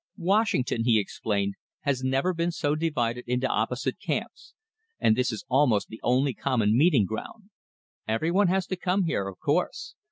"Washington," he explained, "has never been so divided into opposite camps, and this is almost the only common meeting ground. Every one has to come here, of course.